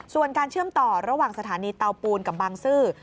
ส่วนการเชื่อมต่อระหว่างสถานีเตาปูนกับบางซื่อ